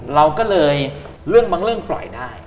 เราก็เลยเรื่องบางเรื่องปล่อยได้